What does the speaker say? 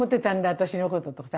私のこととかさ